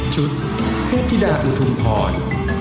ชุดเทพธิดาอุทุมพร